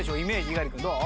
猪狩君どう？